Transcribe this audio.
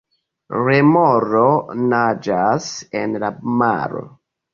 Remoro naĝas en la maro.